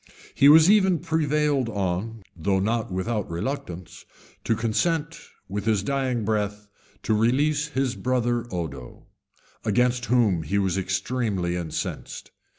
He was even prevailed on, though not without reluctance, to consent, with his dying breath, to release his brother Odo, against whom he was extremely incensed.